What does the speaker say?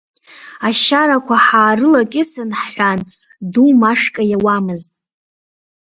Ашьарақәа ҳаарылакьысны ҳҳәан ду Машка иауамызт.